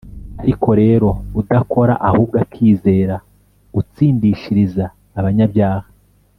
Ariko rero udakora, ahubwo akizera Utsindishiriza abanyabyaha,